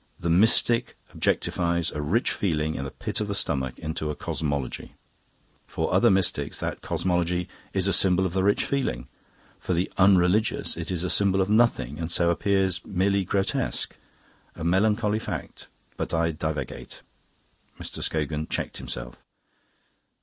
The mystic objectifies a rich feeling in the pit of the stomach into a cosmology. For other mystics that cosmology is a symbol of the rich feeling. For the unreligious it is a symbol of nothing, and so appears merely grotesque. A melancholy fact! But I divagate." Mr. Scogan checked himself.